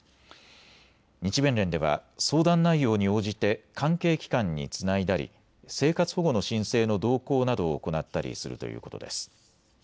日弁連では相談内容に応じて関係機関につないだり生活保護の申請の同行などを行ったりするということです。